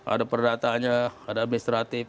ada perdataannya ada administratif